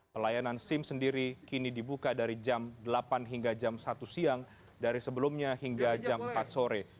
pelayanan sim sendiri kini dibuka dari jam delapan hingga jam satu siang dari sebelumnya hingga jam empat sore